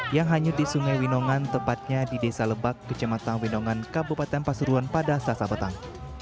yang hanyut di sungai winongan tepatnya di desa lebak kecematan winongan kabupaten pasuruan pada sasa petang